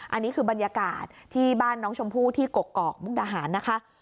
อันนี้คือบรรยากาศที่บ้านน้องชมพู่ที่กกอกมุกดาหารนะคะ